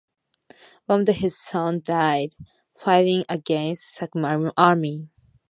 One of his son died fighting against Sikh Army.